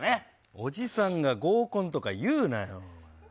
おじさんが合コンとか言うなよ。